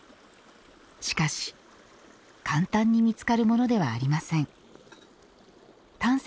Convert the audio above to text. しかし、簡単に見つかるものではありません。